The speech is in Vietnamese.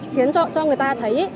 khiến cho người ta thấy